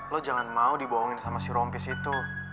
lo jangan mau dibohongin sama si rompis itu